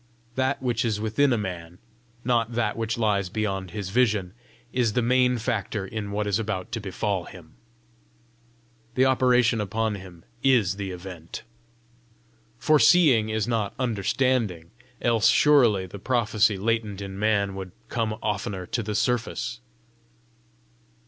That which is within a man, not that which lies beyond his vision, is the main factor in what is about to befall him: the operation upon him is the event. Foreseeing is not understanding, else surely the prophecy latent in man would come oftener to the surface!